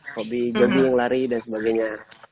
hobi jagung lari dan sebagainya